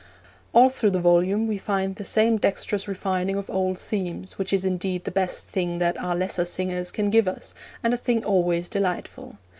All through the volume we find the same dexterous refining of old themes, which is indeed the best thing that our lesser singers can give us, and a thing always delightful.